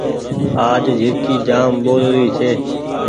آج جهرڪي جآم ٻول ري ڇي۔